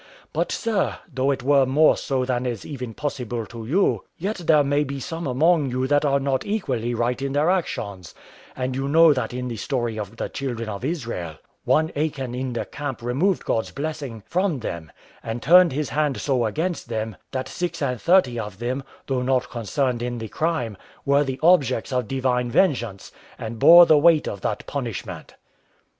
But, sir, though it were more so than is even possible to you, yet there may be some among you that are not equally right in their actions: and you know that in the story of the children of Israel, one Achan in the camp removed God's blessing from them, and turned His hand so against them, that six and thirty of them, though not concerned in the crime, were the objects of divine vengeance, and bore the weight of that punishment."